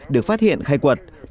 được phát hiện khai quật